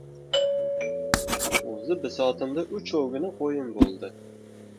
O‘zi, bisotimda uchovgina qo‘yim bo‘ldi.